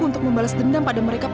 untuk membalas dendam pada mereka